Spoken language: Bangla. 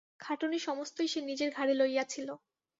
খাটুনি সমস্তই সে নিজের ঘাড়ে লইয়াছিল।